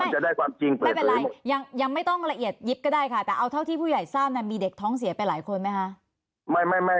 จะได้ความจริงเปล่าไม่เป็นไรยังไม่ต้องละเอียดยิบก็ได้ค่ะแต่เอาเท่าที่ผู้ใหญ่ทราบมีเด็กท้องเสียไปหลายคนไหมคะ